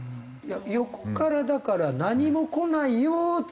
横からだから何も来ないよっていう。